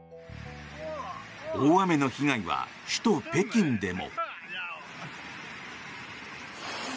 大雨の被害は首都・北京でも。